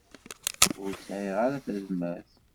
Ur sɛiɣ ara tazmert.